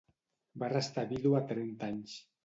Va restar vídua a trenta anys.